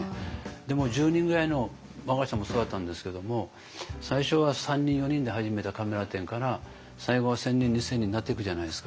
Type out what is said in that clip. でも１０人ぐらいの我が社もそうだったんですけども最初は３人４人で始めたカメラ店から最後は１，０００人２，０００人になっていくじゃないですか。